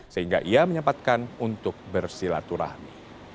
sehingga ia menyempatkan untuk bersilaturahmi